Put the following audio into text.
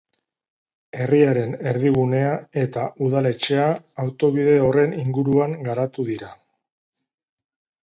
Herriaren erdigunea eta udaletxea autobide horren inguruan garatu dira.